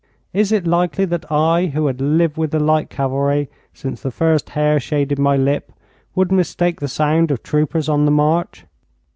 Is it likely that I, who had lived with the light cavalry since the first hair shaded my lip, would mistake the sound of troopers on the march?